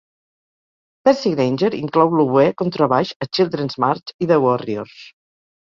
Percy Grainger inclou l'oboè contrabaix a Children's March i The Warriors.